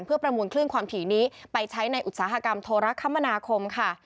เพื่อประมูลคลื่นความถี่นี้ไปใช้ในอุตสาหกรรมโทรคมนาคมค่ะ